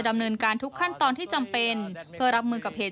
ดำเนินการทุกขั้นตอนที่จำเป็นเพื่อรับมือกับเหตุ